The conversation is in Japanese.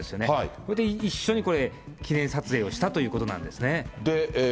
それで一緒にこれ、記念撮影をしたということなんですね。